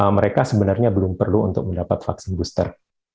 mereka sebenarnya belum perlu untuk mendapat vaksin booster